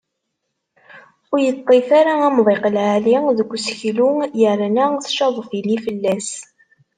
Ur yeṭṭif ara amḍiq lεali deg useklu yerna tcaḍ tili fell-as.